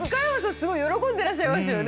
すごい喜んでらっしゃいましたよね。